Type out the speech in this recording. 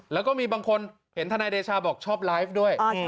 แล้วก็มีบางคนเห็นทนายเดชาบอกชอบไลฟ์ด้วย